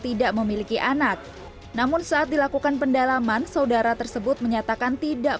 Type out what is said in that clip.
tidak memiliki anak namun saat dilakukan pendalaman saudara tersebut menyatakan tidak